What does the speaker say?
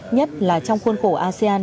nhất là trong khuôn khổ asean